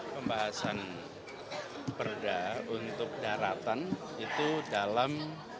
pembahasan perda untuk daratan itu dalam